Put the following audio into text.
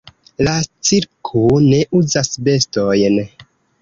La cirko ne uzas bestojn.